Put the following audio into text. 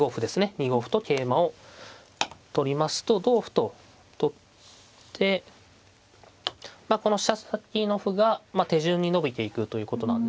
２五歩と桂馬を取りますと同歩と取ってこの飛車先の歩が手順に伸びていくということなんですね。